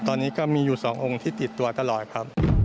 ตอนนี้ก็มีอยู่๒องค์ที่ติดตัวตลอดครับ